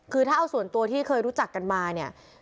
คือถ้าเอาส่วนตัวที่เคยรู้จักกันมาเนี่ย